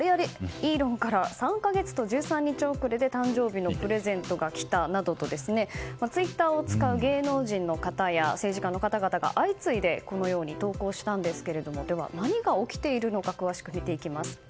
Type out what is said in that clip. イーロンから３か月と１３日遅れで誕生日のプレゼントが来たなどツイッターを使う芸能人の方や政治家の方々が相次いでこのように投稿したんですが何が起きているのか詳しく見ていきます。